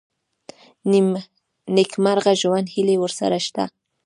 د نېکمرغه ژوند هیلې ورسره شته.